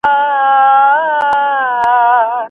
راتلونکي نسلونه به زموږ په اړه قضاوت کوي.